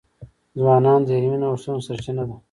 ځوانان د علمي نوښتونو سرچینه ده.